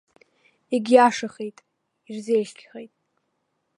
Егьиашахеит, ирзеиӷьхеит.